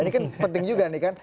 ini kan penting juga nih kan